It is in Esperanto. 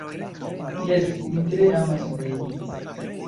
Jes, mi tre amas legi.